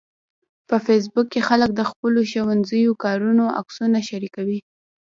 په فېسبوک کې خلک د خپلو ښوونیزو کارونو عکسونه شریکوي